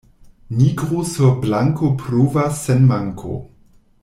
Nigro sur blanko pruvas sen manko.